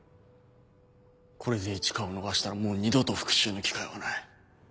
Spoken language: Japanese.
これで市川を逃したらもう二度と復讐の機会はない。